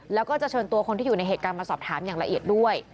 แล้วก็จะเชิญตัวคนที่อยู่ในเหตุการณ์มาสอบถามอย่างละเอียดด้วย